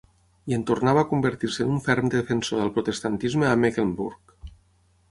I en tornar va convertir-se en un ferm defensor del protestantisme a Mecklenburg.